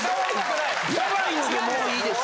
ヤバいのでもういいです。